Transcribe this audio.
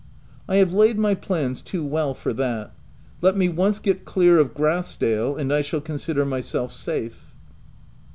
" I have laid my plans too well for that. Let me once get clear of Grass dale, and I shall consider myself safe."